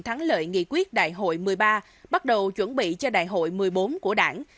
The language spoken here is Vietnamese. thắng lợi nghị quyết đại hội một mươi ba bắt đầu chuẩn bị cho đại hội một mươi bốn của đảng